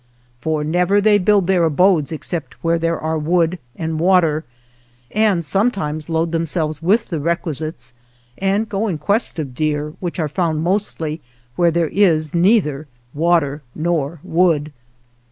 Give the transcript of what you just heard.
For never they build their abodes except where there are wood and water, and sometimes load them selves with the requisites and go in quest of deer, which are found mostly where there is neither water nor wood.